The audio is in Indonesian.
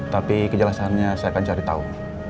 tapi kejelasannya saya akan cari tahu